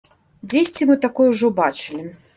Дзесьці мы такое ўжо бачылі.